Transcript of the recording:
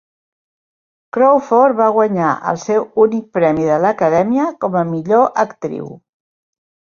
Crawford va guanyar el seu únic Premi de l'Acadèmia com a Millor Actriu.